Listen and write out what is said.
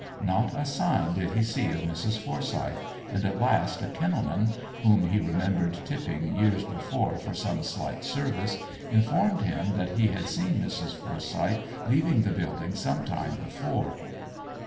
Not a sign did he see of Mrs. Forsyth, and at last a Kennel man, whom he remembered tipping years before for some slight service, informed him that he had seen Mrs. Forsyth leaving the building some time before.